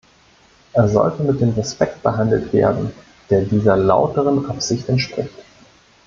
Er sollte mit dem Respekt behandelt werden, der dieser lauteren Absicht entspricht.